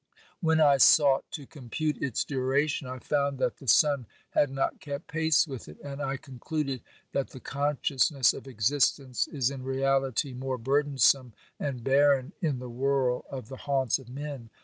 When I sought to compute its duration I found that the sun had not kept pace with it, and I concluded that the consciousness of existence is in reality more burdensome and barren in the whirl of the haunts of men.